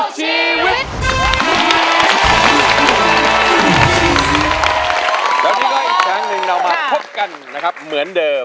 แล้ววันนี้ก็อีกครั้งหนึ่งเรามาพบกันนะครับเหมือนเดิม